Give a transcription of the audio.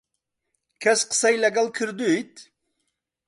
کەس قسەی لەگەڵ کردوویت؟